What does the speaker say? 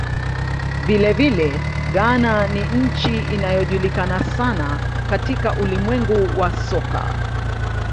Vilevile, Ghana ni nchi inayojulikana sana katika ulimwengu wa soka.